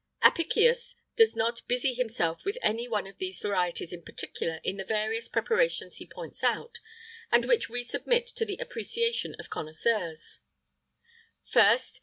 [IX 18] Apicius does not busy himself with any one of these varieties in particular in the various preparations he points out, and which we submit to the appreciation of connoisseurs: 1st.